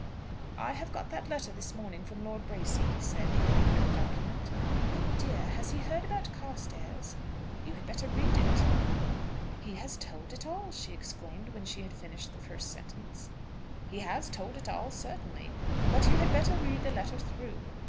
"I have got that letter this morning from Lord Bracy," he said, handing her the document. "Oh dear! Has he heard about Carstairs?" "You had better read it." "He has told it all," she exclaimed, when she had finished the first sentence. "He has told it all, certainly. But you had better read the letter through."